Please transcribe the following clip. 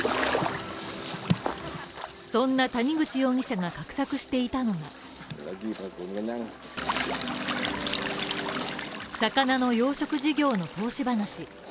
そんな谷口容疑者が画策していたのが魚の養殖事業の投資話。